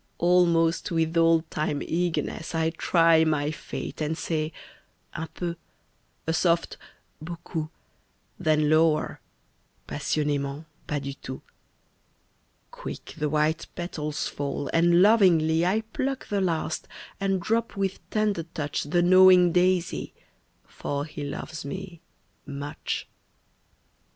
Almost with old time eagerness I try My fate, and say: "un peu," a soft "beaucoup," Then, lower, "passionément, pas du tout;" Quick the white petals fall, and lovingly I pluck the last, and drop with tender touch The knowing daisy, for he loves me "much."